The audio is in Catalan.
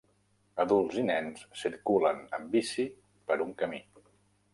Adults i nens circulen amb bici per un camí.